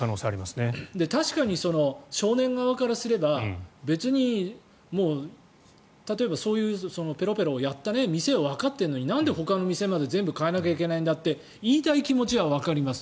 確かに少年側からすれば別に例えば、そういうペロペロをやった店はわかっているのになんでほかの店まで全部変えないといけないんだと言いたい気持ちはわかります。